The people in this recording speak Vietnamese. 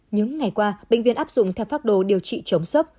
những ngày qua bệnh viện áp dụng theo pháp đồ điều trị chống sốc